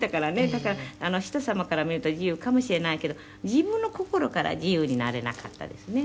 「だから人様から見ると自由かもしれないけど自分の心から自由になれなかったですね」